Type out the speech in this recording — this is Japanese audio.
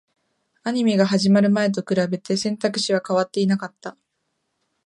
アニメが始まる前と比べて、選択肢は変わっていなかった